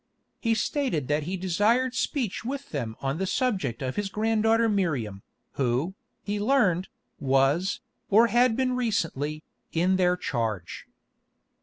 He stated that he desired speech with them on the subject of his granddaughter Miriam, who, he learned, was, or had been recently, in their charge.